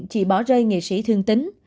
chỉ bỏ rơi nghệ sĩ thương tín